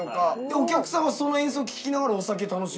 お客さんはその演奏を聴きながらお酒楽しむっていう。